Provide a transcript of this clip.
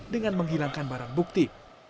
dengan menghilangkan barang bukti